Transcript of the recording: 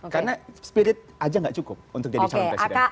karena spirit aja gak cukup untuk jadi calon presiden